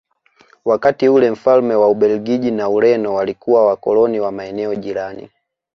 Wakati ule mfalme wa Ubelgiji na Ureno walikuwa wakoloni wa maeneo jirani